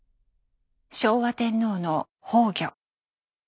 昭和天皇の崩御。